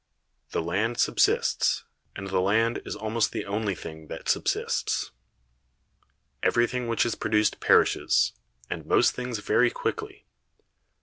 (108) The land subsists, and the land is almost the only thing that subsists. Everything which is produced perishes, and most things very quickly.